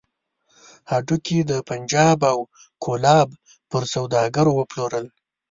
هډوکي يې د پنجاب او کولاب پر سوداګرو وپلورل.